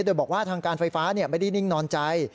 โดยบอกว่าทางการไฟฟ้าไม่ได้นิ่งนอนใจ